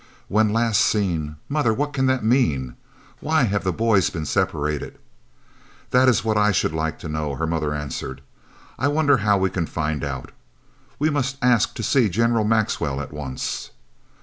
"'When last seen?' Mother, what can that mean? Why have the boys been separated?" "That is what I should like to know," her mother answered. "I wonder how we can find out. We must ask to see General Maxwell at once."